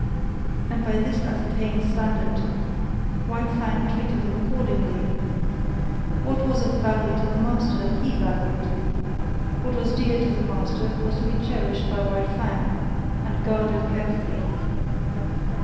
And by this ascertained standard, White Fang treated them accordingly. What was of value to the master he valued; what was dear to the master was to be cherished by White Fang and guarded carefully.